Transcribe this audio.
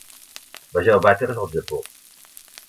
Vegeu Vàters al Japó.